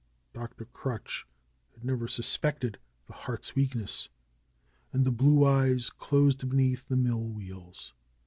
Dr. Crutch had never sus pected the heart's weakness. And the blue eyes closed beneath the mill wheels.